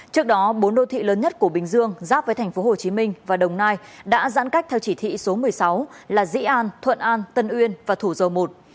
trước đó bốn đô thị lớn nhất của bình dương giáp với thành phố hồ chí minh và đồng nai đã giãn cách theo chỉ thị số một mươi sáu là dĩ an thuận an tân uyên và thủ dầu một